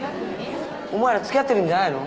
お前ら付き合ってるんじゃないの？